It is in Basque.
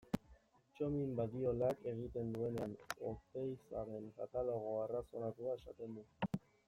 Txomin Badiolak egiten duenean Oteizaren katalogo arrazonatua esaten du.